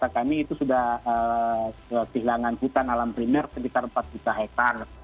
kami itu sudah kehilangan hutan alam primer sekitar empat juta hektare